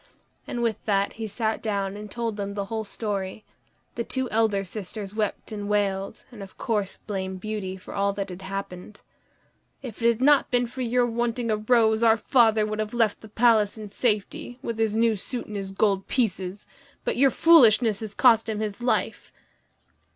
And with that he sat down and told them the whole story. The two elder sisters wept and wailed, and of course blamed Beauty for all that had happened. "If it had not been for your wanting a rose, our father would have left the palace in safety, with his new suit and his gold pieces; but your foolishness has cost him his life."